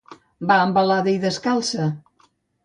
Va embalada i descalça.